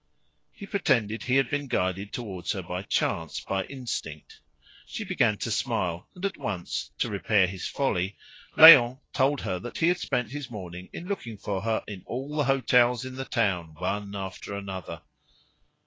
He pretended he had been guided towards her by chance, by, instinct. She began to smile; and at once, to repair his folly, Léon told her that he had spent his morning in looking for her in all the hotels in the town one after the other.